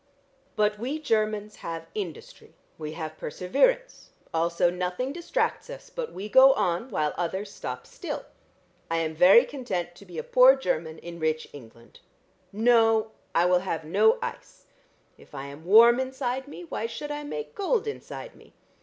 But we Chermans have industry, we have perseverance, also nothing distracts us, but we go on while others stop still. I am very content to be a poor Cherman in rich England.... No.... I will have no ice! If I am warm inside me, why should I make cold inside me?